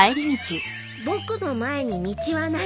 「僕の前に道はない。